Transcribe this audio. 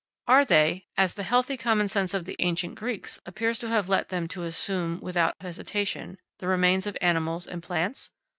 Are they, as the healthy common sense of the ancient Greeks appears to have led them to assume without hesitation, the remains of animals and plants?